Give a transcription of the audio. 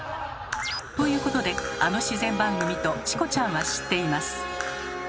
ということであの自然番組とチコちゃんは知っています。